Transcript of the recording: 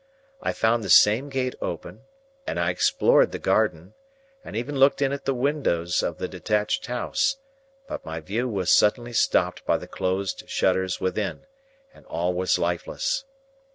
I found the same gate open, and I explored the garden, and even looked in at the windows of the detached house; but my view was suddenly stopped by the closed shutters within, and all was lifeless.